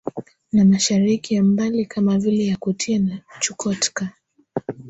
na Mashariki ya Mbali kama vile Yakutia na Chukotka